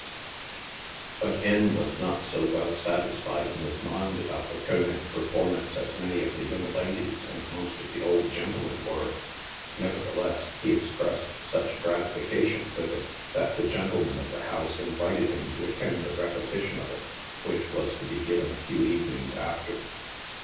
88 NIGHT SIDE OF NEW YORK. But " N v was not so •well satisfied in his mind about the Kcenisj performance as many of the young ladies and most of the ol i gen tlemen were. Nevertheless, he expressed such gratification with it, that the gentleman of the house invited him to attend a repetition of it, which was to be given a few evenings after.